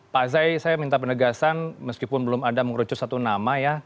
pak zai saya minta penegasan meskipun belum ada mengerucut satu nama ya